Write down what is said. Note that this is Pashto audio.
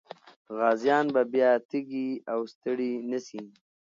غازيان به بیا تږي او ستړي نه سي.